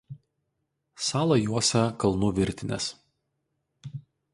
Salą juosia kalnų virtinės.